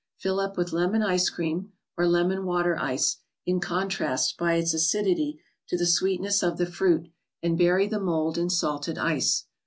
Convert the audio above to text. Fill up with lemon ice cream (or lemon water ice, in contrast, by its acidity, to the sweetness of the fruit), and bury the mold in salted ice.